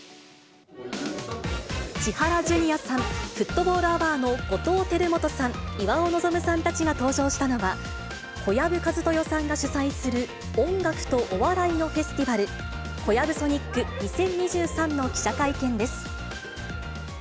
千原ジュニアさん、フットボールアワーの後藤輝基さん、岩尾望さんたちが登場したのは、小藪千豊さんが主催する音楽とお笑いのフェスティバル、コヤブ・ソニック２０２３の記者会見です。